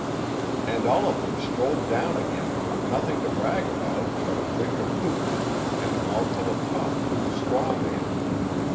And all of them strolled down again with nothing to brag about but a drink of hooch and a mouthful of talk with the squaw man.